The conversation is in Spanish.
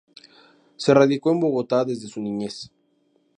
Se radicó en Bogotá desde su niñez.